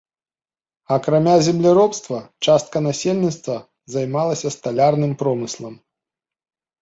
Акрамя земляробства частка насельніцтва займалася сталярным промыслам.